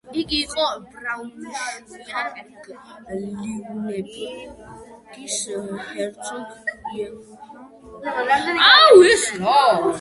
იგი იყო ბრაუნშვაიგ-ლიუნებურგის ჰერცოგ იოჰან ფრიდრიხისა და მისი ცოლის, ჰერცოგინია ბენედიქტა ჰენრიეტა კურპფალცელის ქალიშვილი.